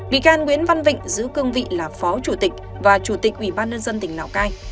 bị can nguyễn văn vịnh giữ cương vị là phó chủ tịch và chủ tịch ủy ban nhân dân tỉnh lào cai